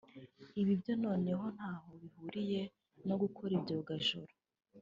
Ibi byo noneho ntaho bihuriye no gukora ibyogajuru